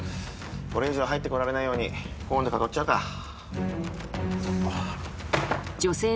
これ以上入ってこられないようにコーンで囲っちゃうか。